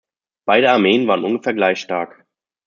Beide Armeen waren ungefähr gleich stark.